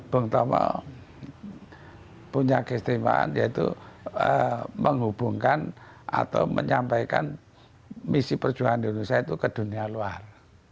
bung tomo punya kesetimaan yaitu menghubungkan atau menyampaikan misi perjuangan di indonesia itu ke dunia luar